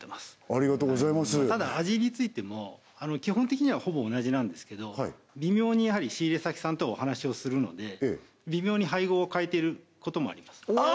ありがとうございますただ味についても基本的にはほぼ同じなんですけど微妙に仕入れ先さんとお話をするので微妙に配合を変えていることもありますああ